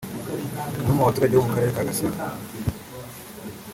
umwe mu baturage bo karere ka Gasabo